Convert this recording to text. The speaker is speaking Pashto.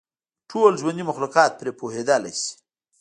ټول ژوندي مخلوقات پرې پوهېدلای شي.